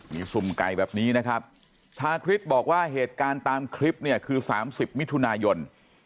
มีสุ่มไก่แบบนี้นะครับชาคริสบอกว่าเหตุการณ์ตามคลิปเนี่ยคือ๓๐มิถุนายน